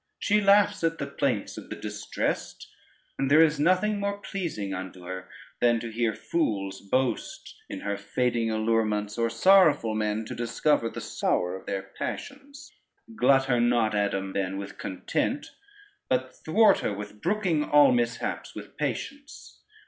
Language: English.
She laughs at the plaints of the distressed, and there is nothing more pleasing unto her, than to hear fools boast in her fading allurements, or sorrowful men to discover the sour of their passions. Glut her not, Adam, then with content, but thwart her with brooking all mishaps with patience.